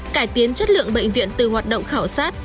cải tiến chất lượng bệnh viện từ hoạt động khảo sát